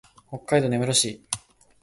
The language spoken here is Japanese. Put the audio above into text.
北海道根室市